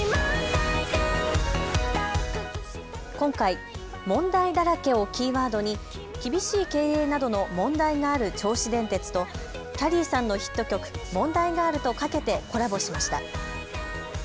今回、問題だらけをキーワードに厳しい経営などの問題がある銚子電鉄とキャリーさんのヒット曲、もんだいガールとかけてコラボしました。